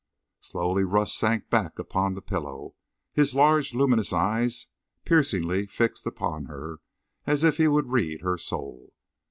Slowly Rust sank back upon the pillow, his large luminous eyes piercingly fixed upon her, as if he would read her soul.